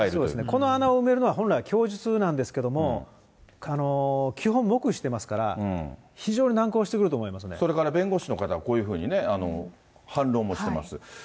この穴を埋めるのは本来、供述なんですけれども、基本、黙秘してますから、非常に難航してそれから弁護士の方はこういうふうにね、反論もしてます。